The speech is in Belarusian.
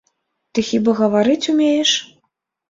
Ты хіба гаварыць умееш?